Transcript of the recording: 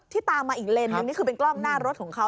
ตามมาอีกเลนสนึงนี่คือเป็นกล้องหน้ารถของเขา